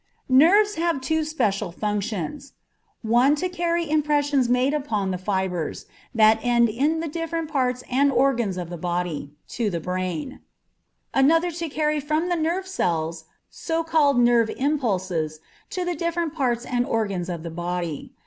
Nerves have two special functions: one to carry impressions made upon the fibres, that end in the different parts and organs of the body, to the brain; another to carry from the nerve cells so called "nerve impulses," to the different parts and organs of the body.